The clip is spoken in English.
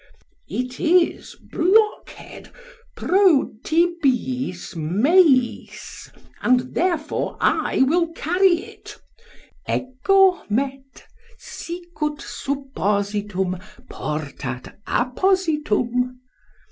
It is, blockhead, pro tibiis meis, and therefore I will carry it, Egomet, sicut suppositum portat appositum.